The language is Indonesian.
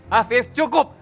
hah fir cukup